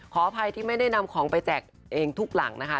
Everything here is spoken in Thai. ขออภัยที่ไม่ได้นำของไปแจกเองทุกหลังนะคะ